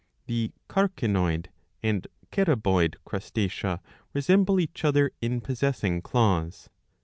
The Carcinoid and Caraboid Crustacea resemble each other in possessing claws.